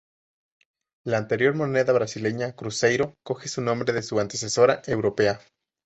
La anterior moneda brasileña cruzeiro coge su nombre de su antecesora europea.